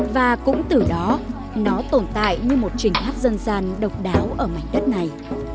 và cũng từ đó nó tồn tại như một trình hát dân gian độc đáo ở mảnh đất này